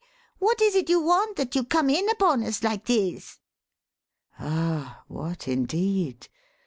What is it you want that you come in upon us like this?" Ah, what indeed?